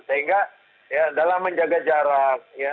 sehingga dalam menjaga jarak